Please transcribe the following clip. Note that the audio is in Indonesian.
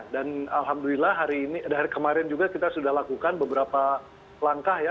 dan alhamdulillah dari kemarin juga kita sudah lakukan beberapa langkah